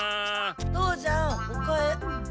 父ちゃんお帰り！？